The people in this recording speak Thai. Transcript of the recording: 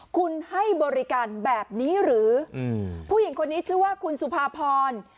คุณให้บริการแบบนี้หรือผู้หญิงคนนี้ชื่อว่าคุณสุภาพร